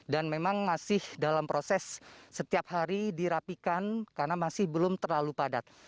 dan memang masih dalam proses setiap hari dirapikan karena masih belum terlalu padat